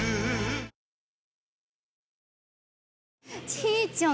ちーちゃん